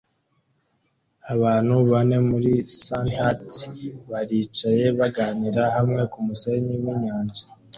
Abantu bane muri sunhats baricaye baganira hamwe kumusenyi winyanja